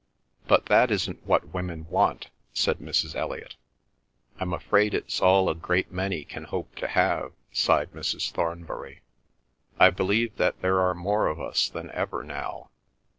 "But that isn't what women want," said Mrs. Elliot. "I'm afraid it's all a great many can hope to have," sighed Mrs. Thornbury. "I believe that there are more of us than ever now.